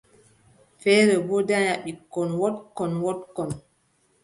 Feere boo danya ɓikkon wooɗkon, wooɗkon.